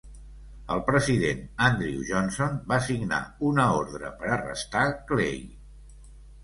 El president Andrew Johnson va signar una ordre per arrestar Clay.